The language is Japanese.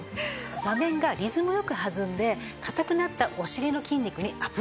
座面がリズム良く弾んで硬くなったお尻の筋肉にアプローチ。